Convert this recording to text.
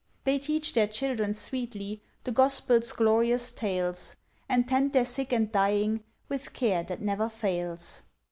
They teach their children sweetly, The Gospel's glorious tales, And tend their sick and dying With care that never fails.